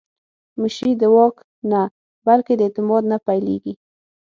مشري د واک نه، بلکې د اعتماد نه پیلېږي